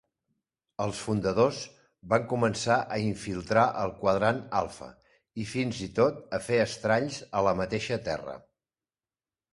El fundadors van començar a infiltrar el quadrant alfa, i fins i tot a fer estralls a la mateixa Terra.